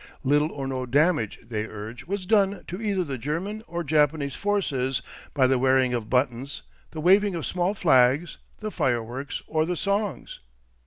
Little or no damage, they urge, was done to either the German or Japanese forces by the wearing of buttons, the waving of small flags, the fireworks, or the songs.